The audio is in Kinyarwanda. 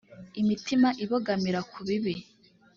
imitima ibogamira ku bibi